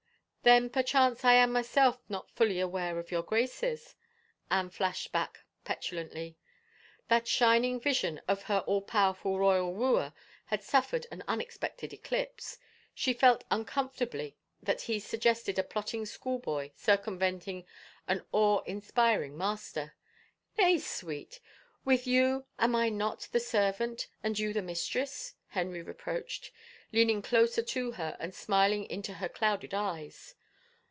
" Then, perchance, I am myself not fully awiare of your Grace's ?" Anne flashed back petulantly. That shining vision of her all powerful royal wooer had suffered an unexpected eclipse — she felt uncomfortably that he sug gested a plotting schoolboy circumventing an awe inspir ing master! " Nay, Sweet — with you am not I the servant and you the mistress ?" Henry reproached, leaning closer to her and smiling into her clouded eyes.